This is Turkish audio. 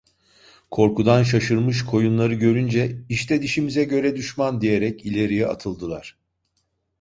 Korkudan şaşırmış koyunları görünce: "İşte dişimize göre düşman!" diyerek ileriye atıldılar.